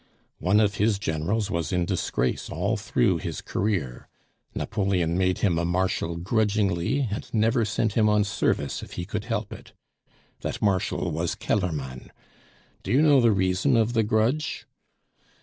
One of his generals was in disgrace all through his career; Napoleon made him a marshal grudgingly, and never sent him on service if he could help it. That marshal was Kellermann. Do you know the reason of the grudge?